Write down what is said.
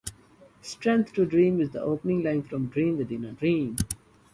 "Strength To Dream" is the opening line from "Dream Within A Dream".